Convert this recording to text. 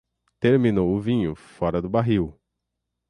Terminou o vinho, fora do barril.